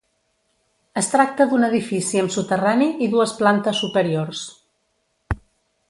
Es tracta d'un edifici amb soterrani i dues plante superiors.